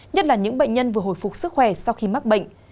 nhất là những bệnh nhân vừa hồi phục sức khỏe sau khi mắc bệnh